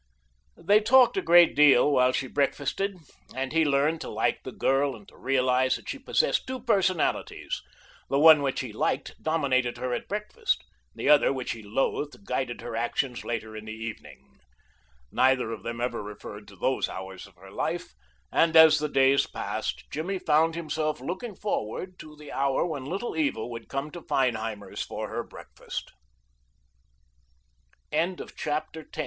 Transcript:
They talked a great deal while she breakfasted, and he learned to like the girl and to realize that she possessed two personalities. The one which he liked dominated her at breakfast; the other which he loathed guided her actions later in the evening. Neither of them ever referred to those hours of her life, and as the days passed Jimmy found himself looking forward to the hour when Little Eva would come to Feinheimer's for her breakfast. CHAPTER XI. CHRISTMAS EVE.